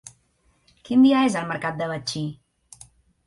Quin dia és el mercat de Betxí?